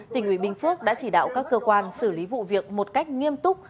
tỉnh ủy bình phước đã chỉ đạo các cơ quan xử lý vụ việc một cách nghiêm túc